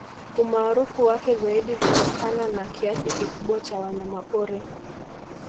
Umaarufu wake zaidi hutokana na kiasi kikubwa cha wanyamapori